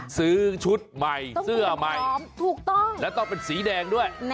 ซื้อชุดใหม่เสื้อใหม่ต้องเป็นสีแดงด้วย